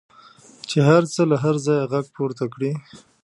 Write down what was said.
چې هر څه له هره ځایه غږ پورته کړي.